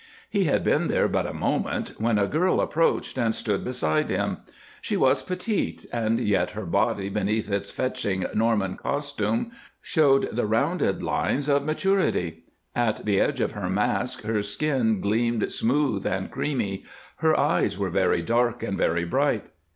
He had been there but a moment when a girl approached and stood beside him. She was petite, and yet her body beneath its fetching Norman costume showed the rounded lines of maturity; at the edge of her mask her skin gleamed smooth and creamy; her eyes were very dark and very bright.